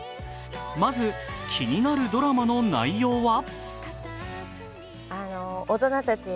まず、気になるドラマの内容は？